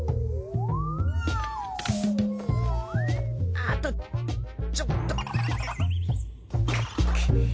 あとちょっと。